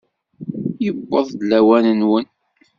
Yewweḍ-d lawan-nwen!